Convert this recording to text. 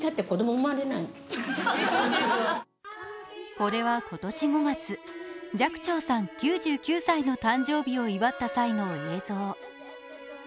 これは今年５月、寂聴さん９９歳の誕生日を祝った際の映像。